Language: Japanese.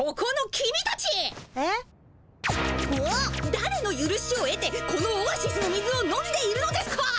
だれのゆるしをえてこのオアシスの水を飲んでいるのですか？